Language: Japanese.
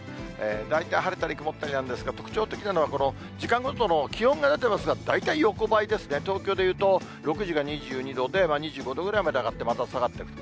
大体晴れたり曇ったりなんですが、特徴的なのは、この時間ごとの気温が出てますが、大体横ばいですね、東京で言うと、６時が２２度で、２５度ぐらいまで上がってまた下がっていく。